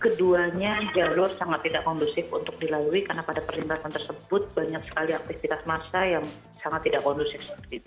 keduanya jalur sangat tidak kondusif untuk dilalui karena pada perlintasan tersebut banyak sekali aktivitas massa yang sangat tidak kondusif